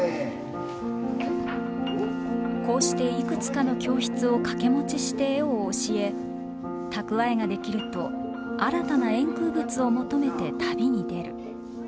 こうしていくつかの教室を掛け持ちして絵を教え蓄えができると新たな円空仏を求めて旅に出る。